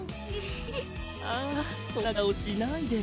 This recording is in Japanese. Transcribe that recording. あぁそんな顔しないでよ。